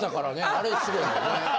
あれすごいよね。